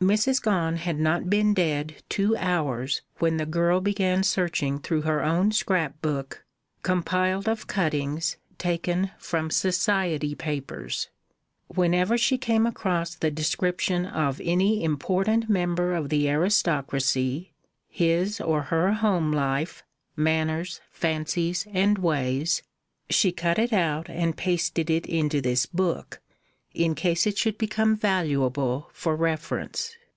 Mrs. Gone had not been dead two hours when the girl began searching through her own scrapbook, compiled of cuttings taken from Society papers. Whenever she came across the description of any important member of the aristocracy his or her home life, manners, fancies, and ways she cut it out and pasted it into this book, in case it should become valuable for reference.